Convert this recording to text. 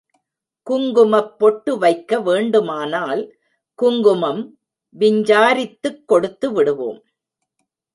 குங்குமப் பொட்டு வைக்க வேண்டுமானால் குங்குமம் விஞ்சாரித்துக் கொடுத்துவிடுவோம்.